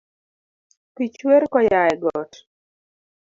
Pi chwer koya e got